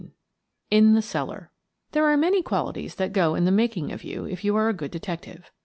IN THE CELLAR There are many qualities that go to the making of you if you are a good detective.